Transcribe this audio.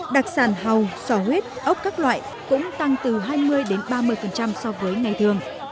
đặc sản hầu sò huyết ốc các loại cũng tăng từ hai mươi đến ba mươi so với ngày thường